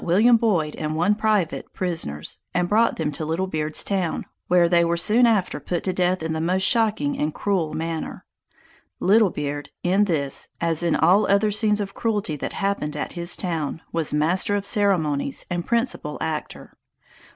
William Boyd and one private, prisoners, and brought them to Little Beard's Town, where they were soon after put to death in the most shocking and cruel manner. Little Beard, in this, as in all other scenes of cruelty that happened at his town, was master of ceremonies, and principal actor.